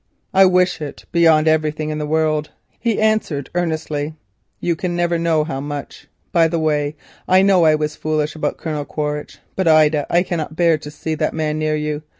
"I wish it beyond everything in the world," he answered earnestly. "You can never know how much. By the way, I know I was foolish about Colonel Quaritch; but, Ida, I cannot bear to see that man near you.